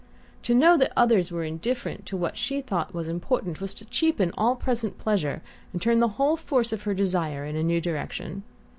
To know that others were indifferent to what she had thought important was to cheapen all present pleasure and turn the whole force of her desires in a new direction.